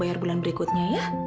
bayar bulan berikutnya ya